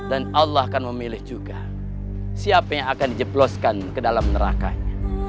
dan allah akan memilih juga siapa yang akan dijebloskan ke dalam nerakanya